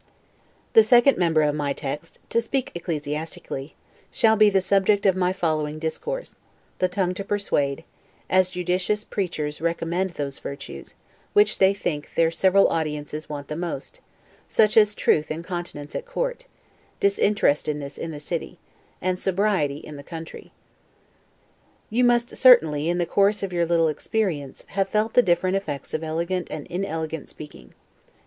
The second member of my text (to speak ecclesiastically) shall be the subject of my following discourse; THE TONGUE TO PERSUADE as judicious, preachers recommend those virtues, which they think their several audiences want the most; such as truth and continence, at court; disinterestedness, in the city; and sobriety, in the country. You must certainly, in the course of your little experience, have felt the different effects of elegant and inelegant speaking.